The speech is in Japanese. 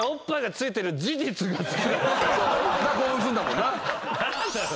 興奮すんだもんな。